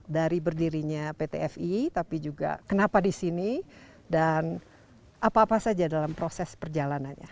dari berdirinya pt fi tapi juga kenapa di sini dan apa apa saja dalam proses perjalanannya